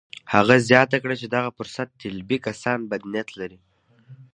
هغه زياته کړه چې دغه فرصت طلبي کسان بد نيت لري.